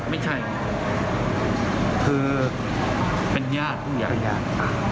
ไม่ใช่คือเป็นญาติทุกอย่าง